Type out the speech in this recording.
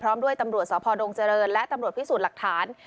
ด้วยตำรวจสพดงเจริญและตำรวจพิสูจน์หลักฐาน